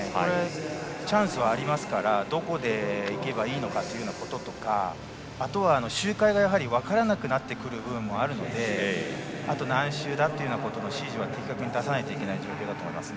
チャンスはありますからどこでいけばいいのかということとかあとは周回が分からなくなってくる部分もあるのであと何周だという指示を的確に出さなきゃいけない状況だと思います。